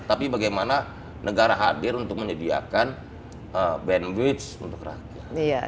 tapi bagaimana negara hadir untuk menyediakan bandwidth untuk rakyat